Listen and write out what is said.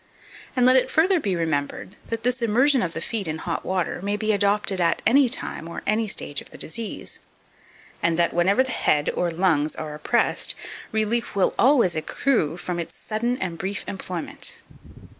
And let it further be remembered, that this immersion of the feet in hot water may be adopted at any time or stage of the disease; and that, whenever the head or lungs are oppressed, relief will always accrue from its sudden and brief employment.